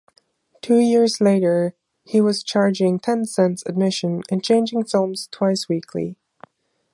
Two-years later, he was charging ten-cents admission and changing films twice weekly.